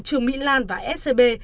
trường mỹ lan và scb